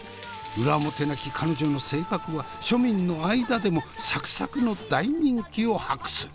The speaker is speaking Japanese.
裏表なき彼女の性格は庶民の間でもサクサクの大人気を博す。